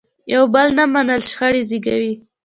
یو بل نه منل شخړې زیږوي.